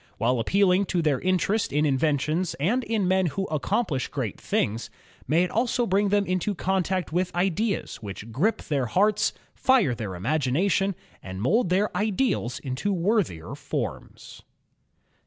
While appealing to their interest in inventions and in men who accomplish great things, may it also bring them into contact with ideas which will grip their hearts, fire ^ the imagination, and mold their ideals into worthier forms.